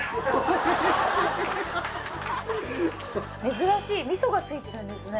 珍しい味噌がついてるんですね・